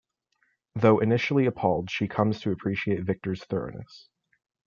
Though initially appalled, she comes to appreciate Victor's thoroughness.